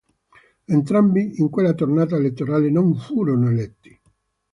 Entrambi, in quella tornata elettorale, non furono eletti.